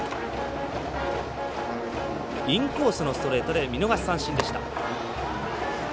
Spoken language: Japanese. インコースのストレートで見逃し三振でした。